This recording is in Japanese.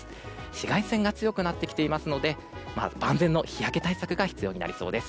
紫外線が強くなってきていますので万全の日焼け対策が必要になりそうです。